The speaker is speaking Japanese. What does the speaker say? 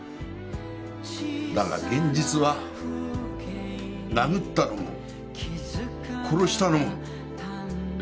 だが現実は殴ったのも殺したのも私だ。